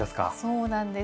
そうなんです。